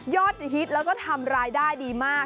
ฮิตแล้วก็ทำรายได้ดีมาก